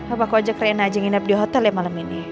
apa kok ajak rena aja nginep di hotel ya malam ini